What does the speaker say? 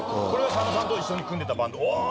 佐野さんと組んでたバンド。